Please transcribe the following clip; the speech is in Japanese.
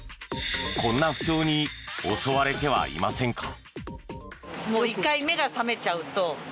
こんな不調に襲われてはいませんか？